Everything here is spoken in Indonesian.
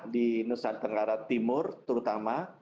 di nusa tenggara timur terutama